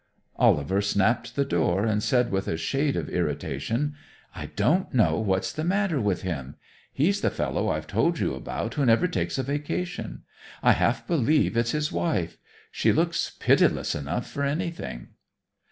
Oliver snapped the door, and said with a shade of irritation: "I don't know what's the matter with him. He's the fellow I've told you about who never takes a vacation. I half believe it's his wife. She looks pitiless enough for anything."